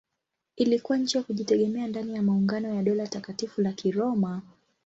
Ilikuwa nchi ya kujitegemea ndani ya maungano ya Dola Takatifu la Kiroma.